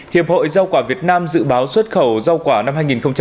hiệp hội rau quả việt nam dự báo xuất khẩu rau quả năm hai nghìn hai mươi